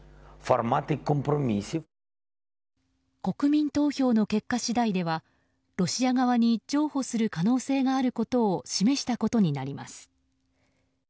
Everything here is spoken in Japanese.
国民投票の結果次第ではロシア側に譲歩する可能性があることを示したことになります。